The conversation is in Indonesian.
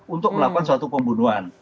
untuk melakukan suatu pembunuhan